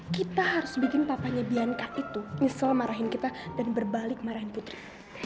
kita harus bikin papanya bianka itu nyesel marahin kita dan berbalik marahin putri